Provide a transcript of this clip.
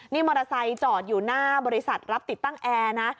นี่มอเตอร์ไซค์จอดอยู่หน้าบริษัทรับติดตั้งแอร์นะ